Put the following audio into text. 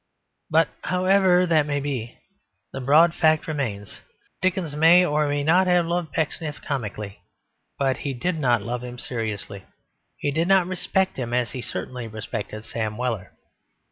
But however that may be the broad fact remains Dickens may or may not have loved Pecksniff comically, but he did not love him seriously; he did not respect him as he certainly respected Sam Weller.